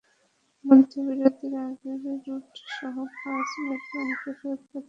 মধ্যাহ্নবিরতির আগেই রুটসহ পাঁচ ব্যাটসম্যানকে ফেরত পাঠিয়ে কাজটা এগিয়ে রেখেছিল ভারত।